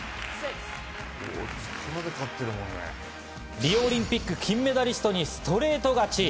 リオオリンピック金メダリストにストレート勝ち。